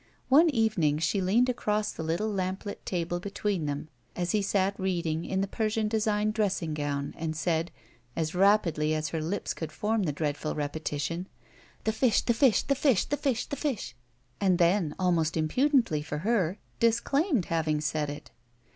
20Q GUILTY One evening she leaned across the little lamplit table between them as he sat reading in the Persian design dressing gown and said, as rapidly as her lips could form the dreadful repetition, "The fish, the fish, the fish, the fish." And then, almost impu dently for her, disclaimed having said it.